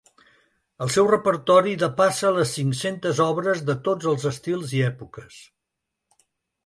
El seu repertori depassa les cinc-centes obres de tots els estils i èpoques.